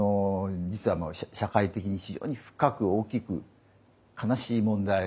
実は社会的に非常に深く大きく悲しい問題なんですよ。